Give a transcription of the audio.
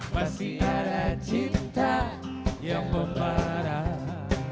masih ada cinta yang memarah